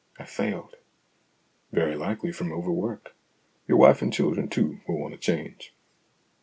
I failed." "Very likely from overwork. Your wife and children, too, will want a change.